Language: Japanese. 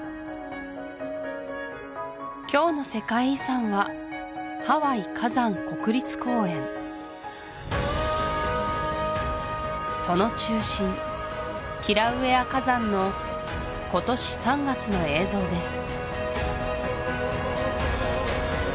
今日の世界遺産はその中心キラウエア火山の今年３月の映像です